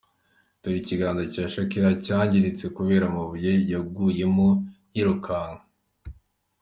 Dore ikiganza cya Shakira cyangiritse kubera amabuye yaguyemo yirukanka.